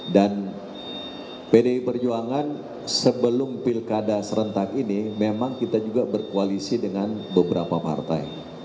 dan pdi perjuangan sebelum pilkada serentak ini memang kita juga berkoalisi dengan beberapa partai